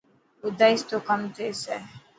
ٻڌائيس تو ڪم ٿيي.